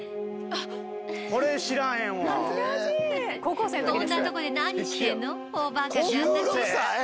こんなとこで何してんの？